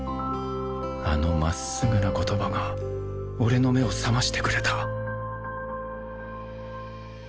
あの真っすぐな言葉が俺の目を覚ましてくれた